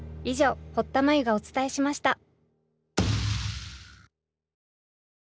以上堀田真由がお伝えしました。